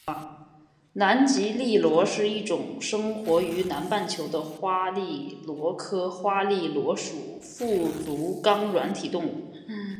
南极笠螺是一种生活于南半球的花笠螺科花笠螺属腹足纲软体动物。